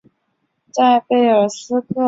在贝鲁斯柯尼第四任内阁中担任国防部长。